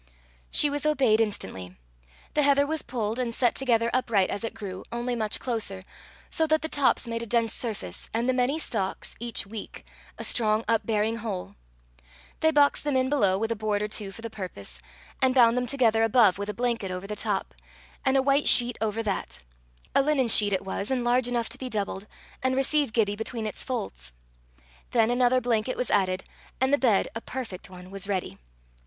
She was obeyed instantly. The heather was pulled, and set together upright as it grew, only much closer, so that the tops made a dense surface, and the many stalks, each weak, a strong upbearing whole. They boxed them in below with a board or two for the purpose, and bound them together above with a blanket over the top, and a white sheet over that a linen sheet it was, and large enough to be doubled, and receive Gibbie between its folds. Then another blanket was added, and the bed, a perfect one, was ready.